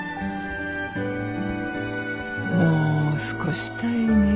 もう少したいね。